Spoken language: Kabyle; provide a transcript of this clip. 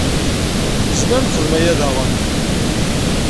Nezmer ad nexdem aya daɣen.